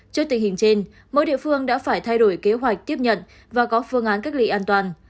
trước tình hình trên mỗi địa phương đã phải thay đổi kế hoạch tiếp nhận và có phương án cách ly an toàn